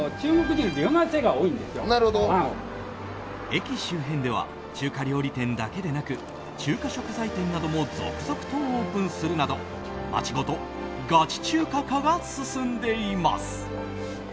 駅周辺では中華料理店だけでなく中華食材店なども続々とオープンするなど街ごとガチ中華化が進んでいます。